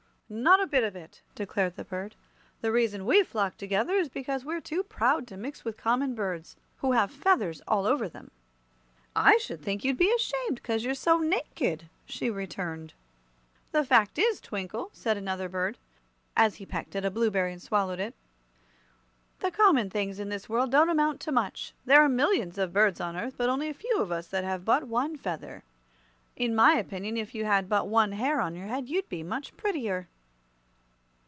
"Not a bit of it," declared the bird. "The reason we flock together is because we're too proud to mix with common birds, who have feathers all over them." "I should think you'd be ashamed, 'cause you're so naked," she returned. "The fact is, Twinkle," said another bird, as he pecked at a blueberry and swallowed it, "the common things in this world don't amount to much. There are millions of birds on earth, but only a few of us that have but one feather. In my opinion, if you had but one hair upon your head you'd be much prettier."